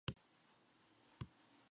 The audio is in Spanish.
Santa María y la Av.